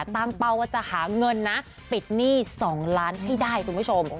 ตั้งเป้าว่าจะหาเงินนะปิดหนี้๒ล้านให้ได้คุณผู้ชม